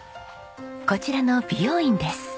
こちらの美容院です。